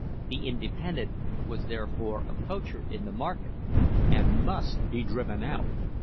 The independent was therefore a poacher in the market and must be driven out.